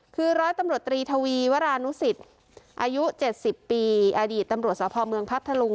คือร้อยตำรวจตรีทวีวรานุสิตอายุ๗๐ปีอดีตตำรวจสภเมืองพัทธลุง